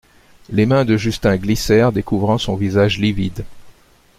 Les mains de Justin glissèrent, découvrant son visage livide.